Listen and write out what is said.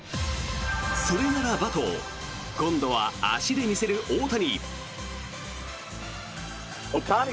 それならばと今度は足で見せる大谷。